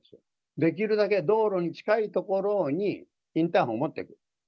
できるだけ道路に近い所にインターフォンを持っていく。